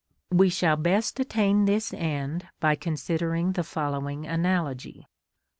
We shall best attain this end by considering the following analogy.